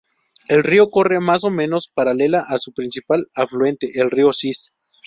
El río corre más o menos paralela a su principal afluente, el río Sis.